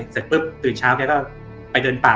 เสร็จปุ๊บตื่นเช้าแกก็ไปเดินป่า